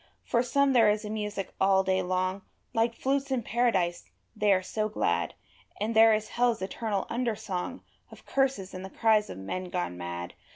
For some there is a music all day long Like flutes in Paradise, they are so glad; And there is hell's eternal under song Of curses and the cries of men gone mad.